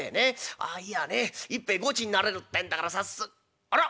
ああ言やあね一杯ごちになれるってんだからさっすあら？